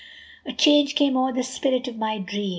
VIII A change came o'er the spirit of my dream.